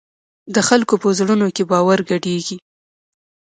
د خلکو په زړونو کې باور ګډېږي.